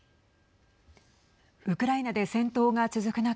ウクライナで戦闘が続く中